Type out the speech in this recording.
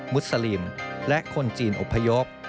สลิมและคนจีนอพยพ